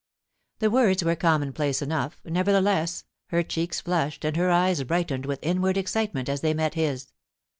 The words were commonplace enough, nevertheless her cheeks flushed and her eyes brightened with inward excite ment as they met his.